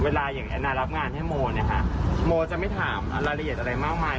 อย่างแอนนารับงานให้โมเนี่ยค่ะโมจะไม่ถามรายละเอียดอะไรมากมาย